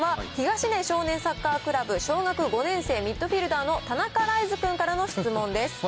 まずは東根少年サッカークラブ、小学５年生、ミッドフィルダーの田中來珠君からの質問です。